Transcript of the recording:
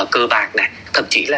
cơ bạc này thậm chí là